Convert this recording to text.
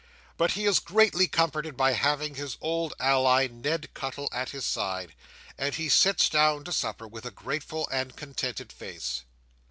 But he is greatly comforted by having his old ally, Ned Cuttle, at his side; and he sits down to supper with a grateful and contented face.